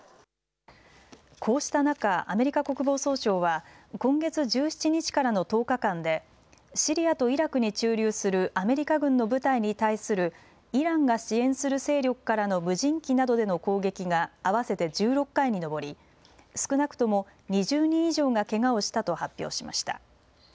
こうした中、アメリカ国防総省は今月１７日からの１０日間でシリアとイラクに駐留するアメリカ軍の部隊に対するイランが支援する勢力からの無人機などでの攻撃が合わせて１６回に上り少なくとも２０人以上がけがをしたと発表しました。